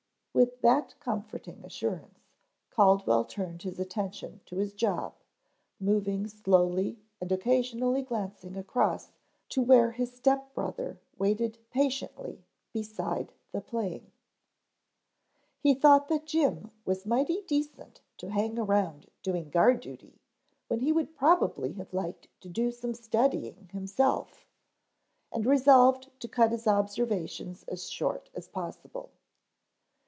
With that comforting assurance, Caldwell turned his attention to his job, moving slowly and occasionally glancing across to where his step brother waited patiently beside the plane. He thought that Jim was mighty decent to hang around doing guard duty when he would probably have liked to do some studying himself, and resolved to cut his observations as short as possible.